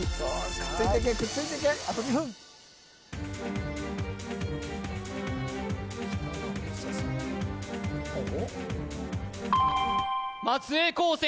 くっついていけくっついていけあと２分松江高専